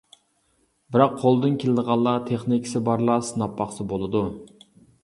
بىراق قولىدىن كېلىدىغانلار، تېخنىكىسى بارلار سىناپ باقسا بولىدۇ.